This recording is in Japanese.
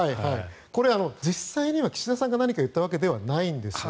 これ実際には岸田さんが何か言ったわけではないんです。